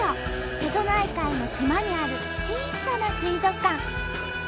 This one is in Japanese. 瀬戸内海の島にある小さな水族館。